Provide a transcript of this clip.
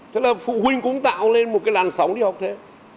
thế là phụ huynh cũng tạo lên một cái làn sóng đi học thế